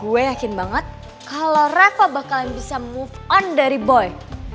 gue yakin banget kalau rava bakalan bisa move on dari boy